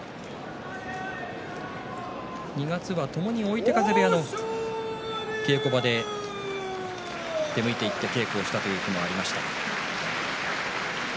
２月はともに追手風部屋の稽古部屋へ出向いていって稽古をしたこともありました。